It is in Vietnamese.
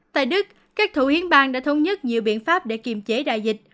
tại đức các thủ yến bang đã thống nhất nhiều biện pháp để kiềm chế đại dịch